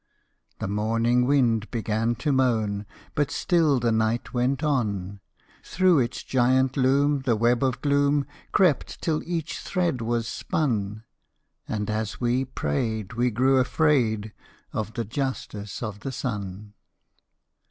The morning wind began to moan, But still the night went on: Through its giant loom the web of gloom Crept till each thread was spun: And, as we prayed, we grew afraid Of the Justice of the Sun.